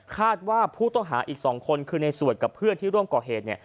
คาดว่าผู้ต้องหาอีก๒คนคือในสวดกับเพื่อนที่ร่วมก่อเหตุเนี่ย